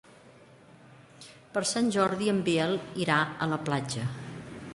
Per Sant Jordi en Biel irà a la platja.